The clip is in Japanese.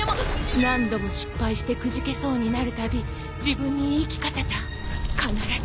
何度も失敗してくじけそうになるたび自分に言い聞かせた。